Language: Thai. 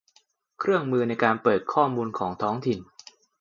เครื่องมือในการเปิดข้อมูลของท้องถิ่น